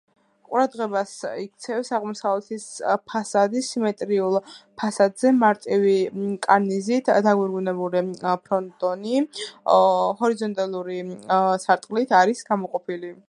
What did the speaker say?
ყურადღებას იქცევს აღმოსავლეთის ფასადი: სიმეტრიულ ფასადზე მარტივი კარნიზით დაგვირგვინებული ფრონტონი ჰორიზონტალური სარტყელით არის გამოყოფილი.